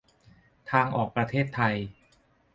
ทางออกประเทศไทย